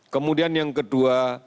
kemudian yang kedua